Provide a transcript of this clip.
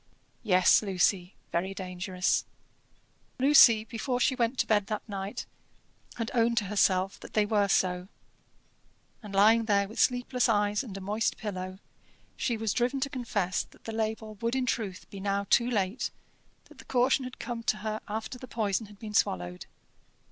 Yes, Lucy, very dangerous. Lucy, before she went to bed that night, had owned to herself that they were so; and lying there with sleepless eyes and a moist pillow, she was driven to confess that the label would in truth be now too late, that the caution had come to her after the poison had been swallowed.